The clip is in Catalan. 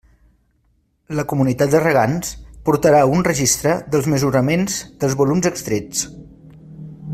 La comunitat de regants portarà un registre dels mesuraments dels volums extrets.